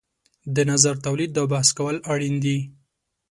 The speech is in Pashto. د نظر تولید او بحث کول اړین دي.